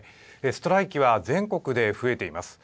ストライキは全国で増えています。